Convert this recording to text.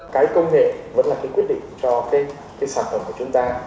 cái công nghệ vẫn là cái quyết định cho cái sản phẩm của chúng ta